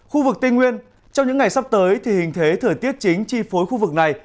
khu vực tây nguyên trong những ngày sắp tới thì hình thế thời tiết chính chi phối khu vực này